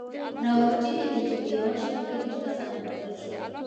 راورټي ليکي چې په يوه شپه کې ډېر کسان ووژل شول.